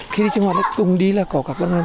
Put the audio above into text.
khi đi sinh hoạt cùng đi là có